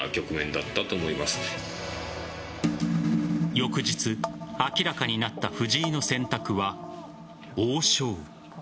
翌日、明らかになった藤井の選択は王将。